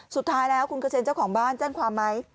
สุดท้ายแล้วคุณเกษมเจ้าของบ้านแจ้งความไหม